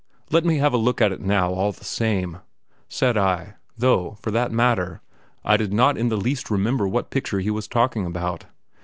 "Let me have a look at it now, all the same," said I; though, for that matter, I did not in the least remember what picture he was talking about.